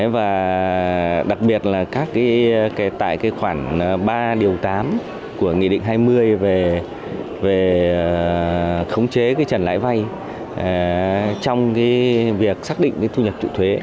và đặc biệt là tại cái khoản ba điều tám của nghị định hai mươi về khống chế trần lãi vay trong việc xác định cái thu nhập trụ thuế